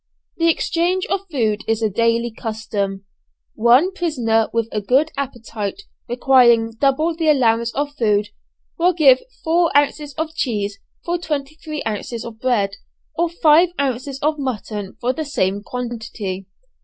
The exchange of food is a daily custom. One prisoner with a good appetite requiring double the allowance of food, will give four ounces of cheese for twenty three ounces of bread, or five ounces of mutton for the same quantity.